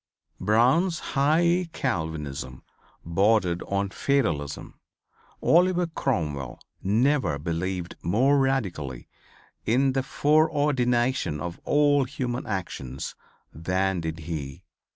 Brown's high Calvinism bordered on fatalism. Oliver Cromwell never believed more radically in the foreordination of all human actions than did he.